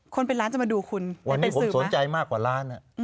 คนเป็นล้านจะมาดูคุณในเป็นสื่อไหมวันนี้ผมสนใจมากกว่าล้าน